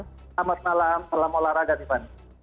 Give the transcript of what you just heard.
selamat malam selamat malam olahraga